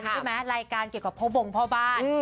หลายการเกี่ยวกับประบองค์พ่อบ้าน